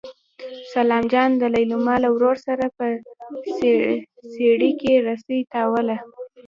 سلام جان د لېلما له ورور سره په څېړۍ کې رسۍ تاووله.